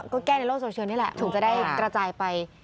ก็แก้ในโลกโซเชียลนี่แหละถึงจะได้กระจายไป